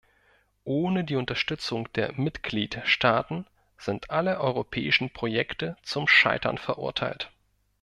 Ohne die Unterstützung der Mitgliedstaaten sind alle europäischen Projekte zum Scheitern verurteilt.